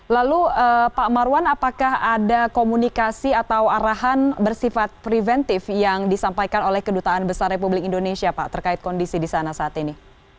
lalu pak marwan apakah ada komunikasi atau arahan bersifat preventif yang disampaikan oleh kedutaan besar republik indonesia pak terkait kondisi di sana saat ini